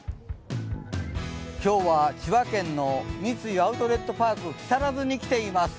今日は千葉県の三井アウトレットパーク木更津に来ています。